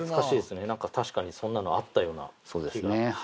確かにそんなのあったような気がしますね。